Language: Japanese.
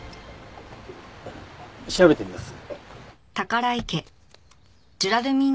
調べてみます。